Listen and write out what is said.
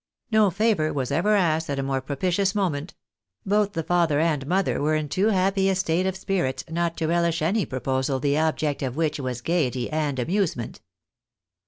No favour was ever asked at a more propitious moment ; both the father and mother were in too happy a state of spirits not to relish any proposal the object of which was gaiety and amusement.